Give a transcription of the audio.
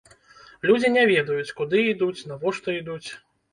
Людзі не ведаюць, куды ідуць, навошта ідуць.